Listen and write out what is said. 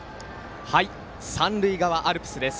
三塁側アルプスです。